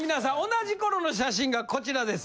同じ頃の写真がこちらです。